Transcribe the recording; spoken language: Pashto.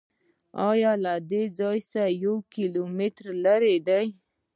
دا له دې ځایه یو کیلومتر لرې دی.